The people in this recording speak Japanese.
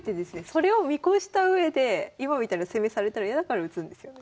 それを見越したうえで今みたいな攻めされたら嫌だから打つんですよね？